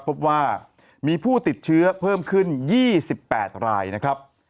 พบว่ามีผู้ติดเชื้อเพิ่มขึ้น๒๘รายนะครับ